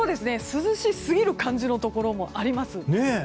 涼しすぎる感じのところもあります。